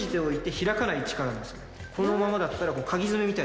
このままだったら。